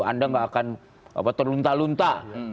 anda nggak akan terlunta lunta